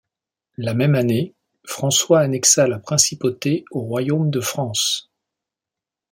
La même année, François annexa la principauté au royaume de France.